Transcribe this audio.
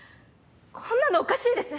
こんなのおかしいです！